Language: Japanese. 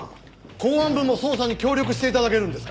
公安部も捜査に協力して頂けるんですか？